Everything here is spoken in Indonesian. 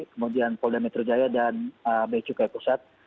kemudian polda metro jaya dan b cukai pusat